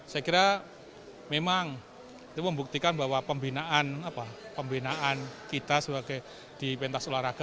saya kira memang itu membuktikan bahwa pembinaan kita sebagai di pentas olahraga